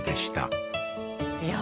いや。